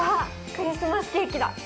クリスマスケーキだ！